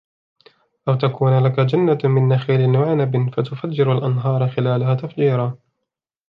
أَوْ تَكُونَ لَكَ جَنَّةٌ مِنْ نَخِيلٍ وَعِنَبٍ فَتُفَجِّرَ الْأَنْهَارَ خِلَالَهَا تَفْجِيرًا